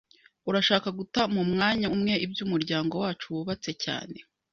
Urashaka guta mumwanya umwe ibyo umuryango wacu wubatse cyane?